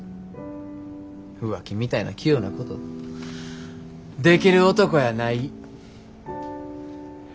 浮気みたいな器用なことできる男やない。